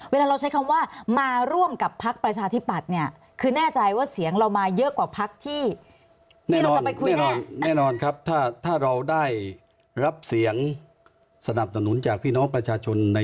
เวลาเราใช้คำว่ามาร่วมกับพักประชาธิบัติเนี่ยคือแน่ใจว่าเสียงเรามาเยอะกว่าพักที่เราจะไปคุยแน่